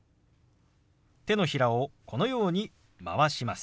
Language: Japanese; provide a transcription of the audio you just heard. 手のひらをこのように回します。